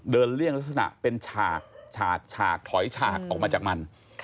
เลี่ยงลักษณะเป็นฉากฉากฉากถอยฉากออกมาจากมัน